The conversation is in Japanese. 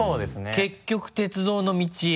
結局鉄道の道へ？